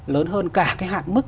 lớn hơn cả hạn mức